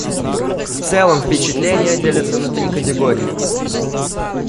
В целом впечатления делятся на три категории.